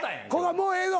もうええよ。